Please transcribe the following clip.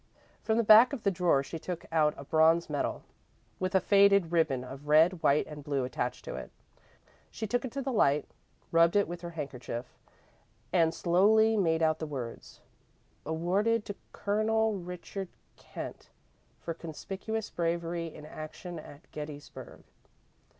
From the back of the drawer she took out a bronze medal, with a faded ribbon of red, white, and blue attached to it. She took it to the light, rubbed it with her handkerchief, and slowly made out the words: "Awarded to Colonel Richard Kent, for conspicuous bravery in action at Gettysburg."